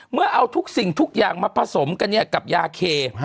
เมื่อเอาทุกสิ่งทุกอย่างมาผสมกันกับยาเค